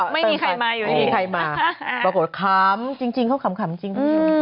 ไม่มีใครมาอยู่นี้ประบบขัมจริงเขาขัมจริง